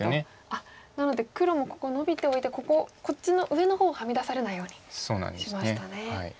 あっなので黒もここノビておいて上の方をはみ出されないようにしましたね。